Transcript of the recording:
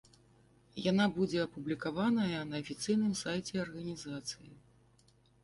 Яна будзе апублікаваная на афіцыйным сайце арганізацыі.